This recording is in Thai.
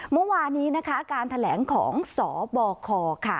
เมื่อวานนี้นะคะการแถลงของสบคค่ะ